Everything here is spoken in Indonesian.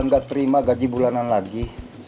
nanti ga bisa terima gaji bulanan lagi